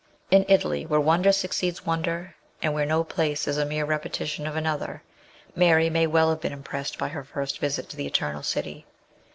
In Italy, where wonder succeeds wonder, and where no place is a mere repetition of another, Mary may well have been impressed by her first visit to the Eternal City.